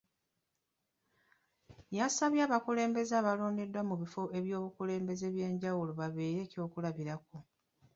Yasabye abakulembeze abalondeddwa mu bifo eby’obukulembeze ebyenjawulo baabeere ekyokulabirako.